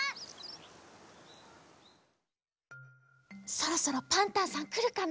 そろそろパンタンさんくるかな？